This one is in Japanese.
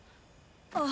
ああ。